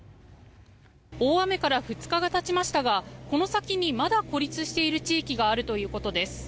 大雨から２日がたちましたがこの先にまだ孤立している地域があるということです。